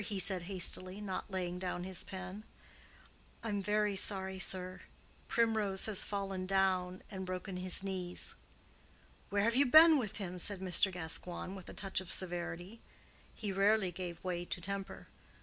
he said hastily, not laying down his pen. "I'm very sorry, sir; Primrose has fallen down and broken his knees." "Where have you been with him?" said Mr. Gascoigne, with a touch of severity. He rarely gave way to temper.